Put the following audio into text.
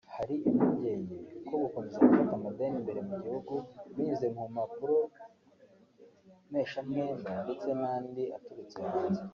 Hari impungenge ko gukomeza gufata amadeni imbere mu gihugu binyuze mu mpapuro mpeshamwenda ndetse n’andi aturutse hanze